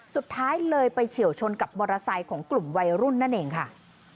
สุดท้ายเลยไปเฉียวชนกับมอเตอร์ไซค์ของกลุ่มวัยรุ่นนั่นเองค่ะ